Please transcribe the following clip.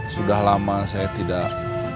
sudah lama saya tidak